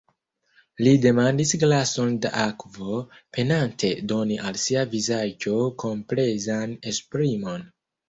Li demandis glason da akvo, penante doni al sia vizaĝo komplezan esprimon.